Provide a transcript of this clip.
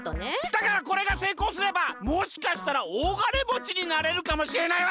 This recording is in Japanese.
だからこれがせいこうすればもしかしたらおおがねもちになれるかもしれないわけ。